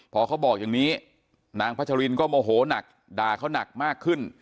พอเขาบอกอย่างนี้นางพัชรินก็โมโหนักด่าเขาหนักมากขึ้น